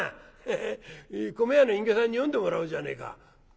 ヘヘ米屋の隠居さんに読んでもらおうじゃねえか。